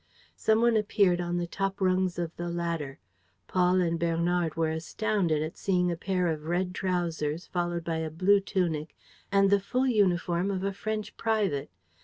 Some one appeared on the top rungs of the ladder. Paul and Bernard were astounded at seeing a pair of red trousers, followed by a blue tunic and the full uniform of a French private.